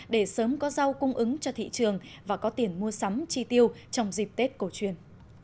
để sớm có rau cung ứng cho thị trường và có tiền mua sắm chi tiêu trong dịp tết cổ truyền